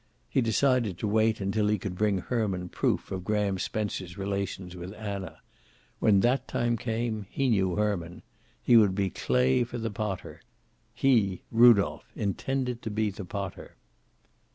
He decided to wait until he could bring Herman proof of Graham Spencer's relations with Anna. When that time came he knew Herman. He would be clay for the potter. He, Rudolph, intended to be the potter.